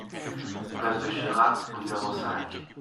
Place de Chirac au numéro cinq